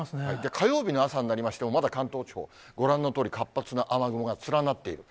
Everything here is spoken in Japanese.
火曜日の朝になりましても、まだ関東地方、ご覧のとおり活発な雨雲が連なっている。